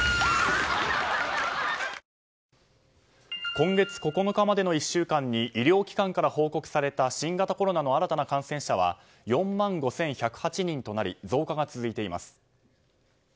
今月９日までの１週間に医療機関から報告された新型コロナの新たな感染者は４万５１０８人となり増加が続いています。